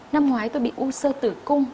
năm ngoái tôi bị u sơ tử cung